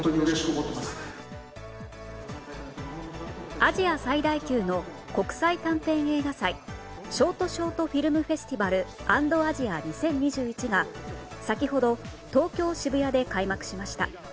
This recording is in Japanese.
アジア最大級の国際短編映画祭ショートショートフィルムフェスティバル＆アジア２０２１が先ほど東京・渋谷で開幕しました。